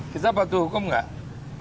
kita patuh hukum nggak